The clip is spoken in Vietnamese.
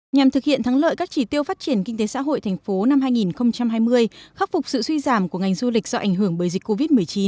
nhằm thực hiện thắng lợi các chỉ tiêu phát triển kinh tế xã hội thành phố năm hai nghìn hai mươi khắc phục sự suy giảm của ngành du lịch do ảnh hưởng bởi dịch covid một mươi chín